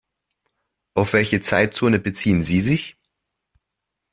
Auf welche Zeitzone beziehen Sie sich?